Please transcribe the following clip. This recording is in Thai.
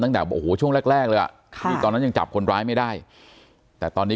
ตั้งแต่ช่วงแรกเลยอ่ะตอนนั้นยังจับคนร้ายไม่ได้แต่ตอนนี้